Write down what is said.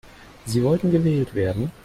Sie wollten gewählt werden.